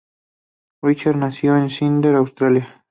Rachael nació en Sídney, Australia.